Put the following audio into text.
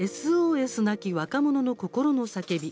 ＳＯＳなき若者の心の叫び」。